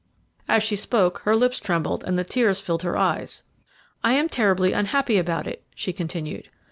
"As she spoke her lips trembled, and tears filled her eyes. "'I am terribly unhappy about it all,' she continued.